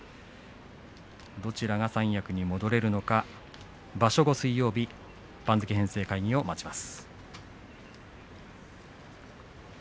どちらが三役に戻れるのか場所後、水曜日番付編成会議を待ちます。